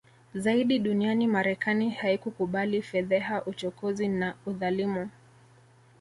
zaidi duniani Marekani haikukubali fedheha uchokozi na udhalimu